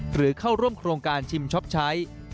หรือเข้าร่วมโครงการชิมช็อปใช้